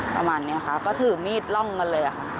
ประมาณนี้ค่ะก็ถือมีดร่องมาเลยค่ะ